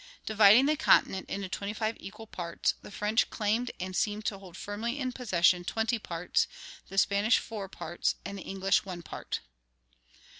Dividing the continent into twenty five equal parts, the French claimed and seemed to hold firmly in possession twenty parts, the Spanish four parts, and the English one part.